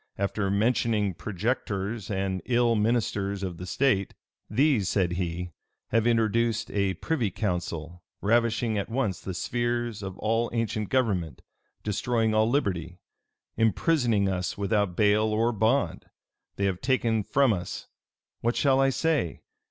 After mentioning projectors and ill ministers of state, "These," said he, "have introduced a privy council, ravishing at once the spheres of all ancient government; destroying all liberty; imprisoning us without bail or bond. They have taken from us What shall I say?